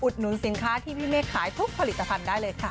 หนุนสินค้าที่พี่เมฆขายทุกผลิตภัณฑ์ได้เลยค่ะ